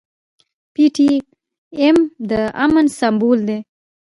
پي ټي ايم د امن سمبول دی.